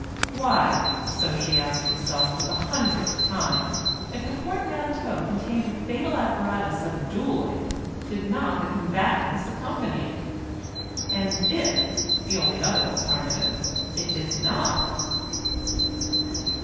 Why, so she asked herself for the hundredth time, if the portmanteau contained the fatal apparatus of duelling, did not the combatants accompany it? And if (the only other alternative) it did not